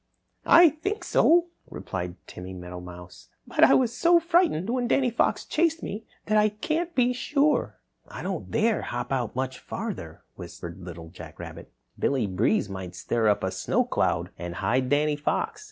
"I think so," replied Timmy Meadowmouse, "but I was so frightened when Danny Fox chased me that I can't be sure." "I don't dare hop out much farther," whispered Little Jack Rabbit. "Billy Breeze may stir up a snow cloud and hide Danny Fox.